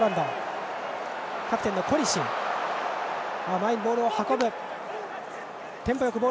前にボールを運ぶ。